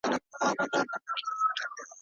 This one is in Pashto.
موږ بايد قلم پورته کړو.